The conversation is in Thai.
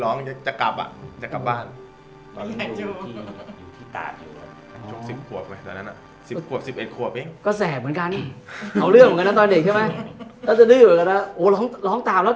แล้วจะให้ด้วยกันแล้วโหร้องตามมันทำยังไงไม่ทำยังไงตอนนี้แบบเห็นลูกตามรถ